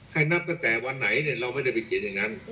นับตั้งแต่วันไหนเราไม่ได้ไปเขียนอย่างนั้น